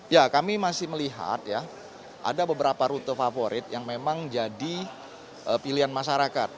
ya kami masih melihat ya ada beberapa rute favorit yang memang jadi pilihan masyarakat